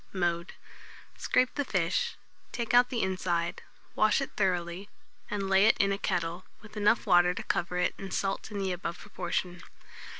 Mode. Scrape the fish, take out the inside, wash it thoroughly, and lay it in a kettle, with enough water to cover it and salt in the above proportion.